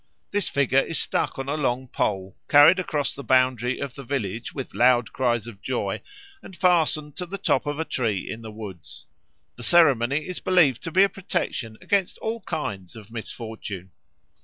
This figure is stuck on a long pole, carried across the boundary of the village with loud cries of joy, and fastened to the top of a tree in the wood. The ceremony is believed to be a protection against all kinds of misfortune.